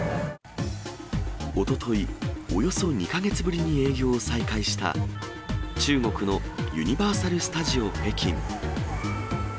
おととい、およそ２か月ぶりに営業を再開した、中国のユニバーサル・スタジオ北京。